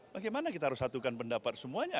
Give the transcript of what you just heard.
bagaimana kita harus satukan pendapat semuanya